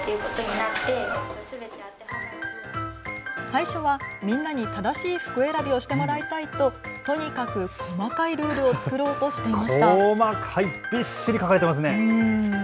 最初はみんなに正しい服選びをしてもらいたいと、とにかく細かいルールを作ろうとしていました。